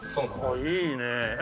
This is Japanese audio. いいねえ。